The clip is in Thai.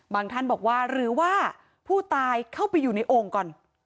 ท่านบอกว่าหรือว่าผู้ตายเข้าไปอยู่ในโอ่งก่อน